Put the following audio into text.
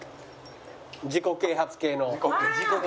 自己啓発系。